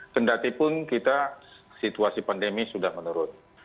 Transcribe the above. kendatipun kita situasi pandemi sudah menurun